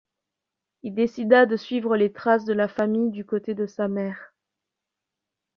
Il décida de suivre les traces de la famille du côté de sa mère.